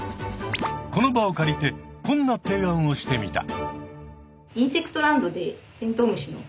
この場を借りてこんな提案をしてみた。